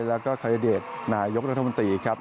แล้วก็เครดิตนายกรรมตรีครับ